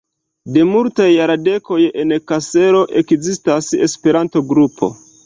De multaj jardekoj en Kaselo ekzistas Esperanto-grupo.